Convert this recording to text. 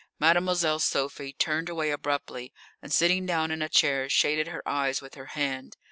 Mademoiselle Sophie turned away abruptly, and sitting down in a chair shaded her eyes with her hand.